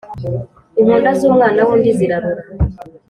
Inkonda z’umwana w’undi zirarura.